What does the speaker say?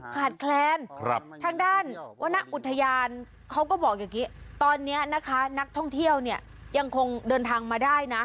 ขาดแคลนทางด้านวรรณอุทยานเขาก็บอกอย่างนี้ตอนนี้นะคะนักท่องเที่ยวเนี่ยยังคงเดินทางมาได้นะ